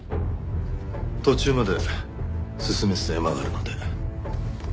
途中まで進めてたヤマがあるので。